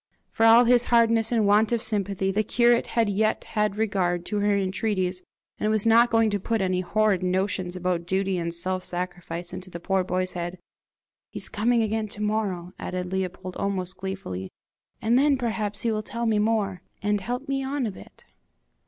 For all his hardness and want of sympathy, the curate had yet had regard to her entreaties, and was not going to put any horrid notions about duty and self sacrifice into the poor boy's head! "He's coming again to morrow," added Leopold, almost gleefully, "and then perhaps he will tell me more, and help me on a bit!"